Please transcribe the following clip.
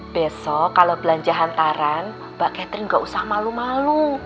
besok kalau belanja hantaran mbak catherine gak usah malu malu